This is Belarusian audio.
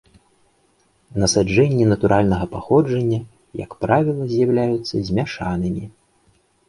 Насаджэнні натуральнага паходжання, як правіла, з'яўляюцца змяшанымі.